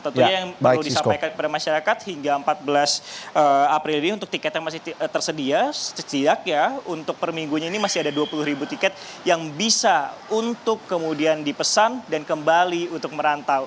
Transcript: tentunya yang perlu disampaikan kepada masyarakat hingga empat belas april ini untuk tiket yang masih tersediak ya untuk per minggunya ini masih ada dua puluh ribu tiket yang bisa untuk kemudian dipesan dan kembali untuk merantau